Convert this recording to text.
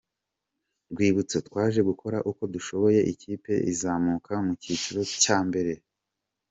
Rwibutso: Twaje gukora uko dushoboye ikipe izamuka mu cyiciro cya mbere.